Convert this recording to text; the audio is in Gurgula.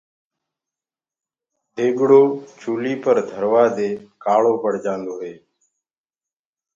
ديگڙو چُولي پر ڌروآ دي ڪآݪو پڙجآندو هي۔